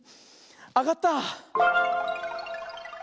あがった！